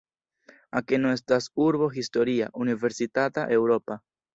Akeno estas urbo historia, universitata, eŭropa.